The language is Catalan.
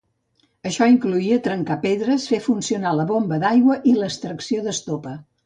Això incloïa trencar pedres, fer funcionar la bomba d'aigua i extracció d'estopa.